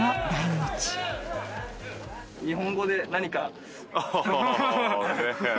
日本語で何か。